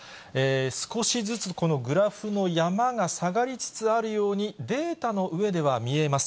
少しずつこのグラフの山が下がりつつあるように、データの上では見えます。